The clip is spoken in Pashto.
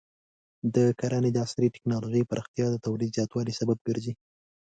د کرنې د عصري ټکنالوژۍ پراختیا د تولید زیاتوالي سبب ګرځي.